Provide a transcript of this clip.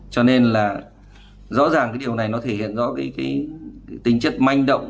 cho nên là rõ ràng điều này nó thể hiện rõ tính chất manh động